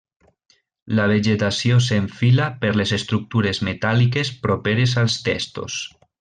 La vegetació s'enfila per les estructures metàl·liques properes als testos.